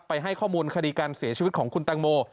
ให้ข้อมูลคดีการเสียชีวิตของคุณตังโม